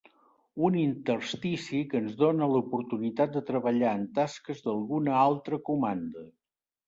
Un interstici que ens dona l'oportunitat de treballar en tasques d'alguna altra comanda.